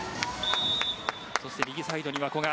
そして、右サイドには古賀。